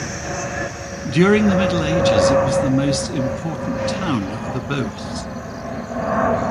During the Middle Ages, it was the most important town of the Beauce.